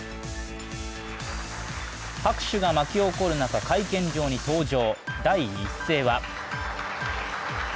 拍手が巻き起こる中、会見場に登場。